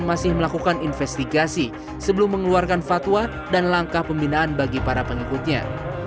masih melakukan investigasi sebelum mengeluarkan fatwa dan langkah pembinaan bagi para pengikutnya